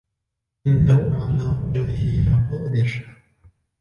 إنه على رجعه لقادر